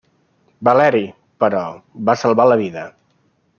Valeri, però, va salvar la vida.